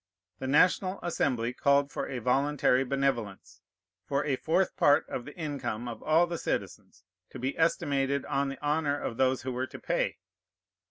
The National Assembly called for a voluntary benevolence, for a fourth part of the income of all the citizens, to be estimated on the honor of those who were to pay.